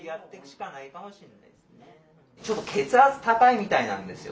ちょっと血圧高いみたいなんですよ